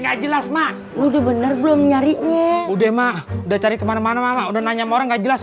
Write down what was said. nggak jelas mak udah bener belum nyari udah mah udah cari kemana mana udah nanya orang nggak jelas